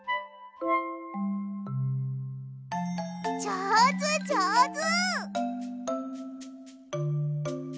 じょうずじょうず！